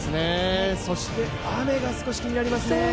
そして雨が少し気になりますね